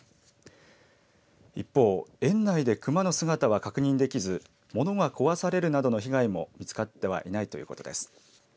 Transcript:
一方、園内で熊の姿は確認できず物が壊されるなどの被害も見つかってはいないということです。